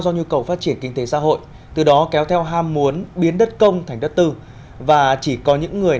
do nhu cầu phát triển kinh tế xã hội từ đó kéo theo ham muốn biến đất công thành đất tư và chỉ có những người